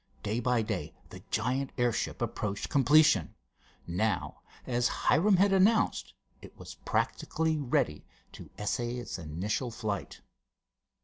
Day by day the giant airship approached completion. Now, as Hiram had announced, it was practically ready to essay its initial flight.